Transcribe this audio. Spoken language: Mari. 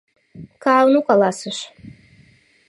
— Каану каласыш.